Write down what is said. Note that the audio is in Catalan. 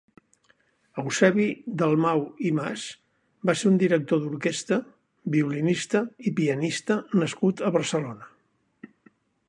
Eusebi Dalmau i Mas va ser un director d'orquestra, violinista i pianista nascut a Barcelona.